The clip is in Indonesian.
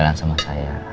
oke kita makan dulu ya